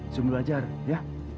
sumbil belajar ya